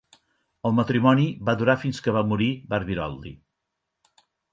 El matrimoni va durar fins que va morir Barbirolli.